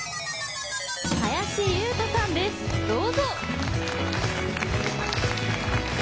林裕人さんですどうぞ！